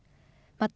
また、。